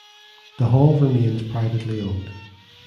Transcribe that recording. The hall remains privately owned.